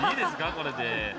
これで。